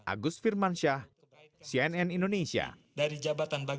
agus firmansyah cnn indonesia